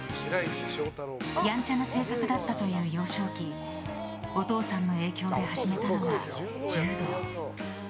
やんちゃな性格だったという幼少期お父さんの影響で始めたのが柔道。